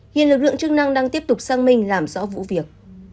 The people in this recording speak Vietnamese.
hiện lực lượng chức năng đang tiếp tục sang mình làm rõ vụ việc